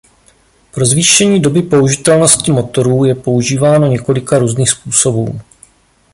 Pro zvýšení doby použitelnosti motorů je používáno několika různých způsobů.